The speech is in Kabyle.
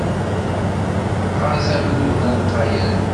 Ɣez amdun alqayan.